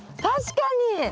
確かに！